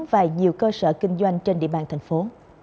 và nhiều cơ sở kinh doanh trên địa bàn thành phố